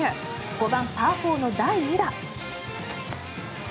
５番、パー４の第２打。